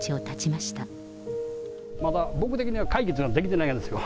まだ僕的には解決できてないんですよ。